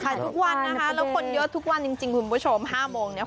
ทุกวันนะคะแล้วคนเยอะทุกวันจริงคุณผู้ชม๕โมงเนี่ย